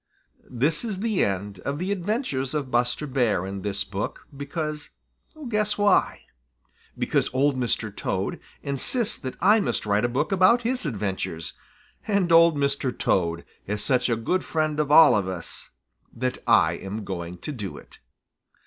This is the end of the adventures of Buster Bear in this book because guess why. Because Old Mr. Toad insists that I must write a book about his adventures, and Old Mr. Toad is such a good friend of all of us that I am going to do it.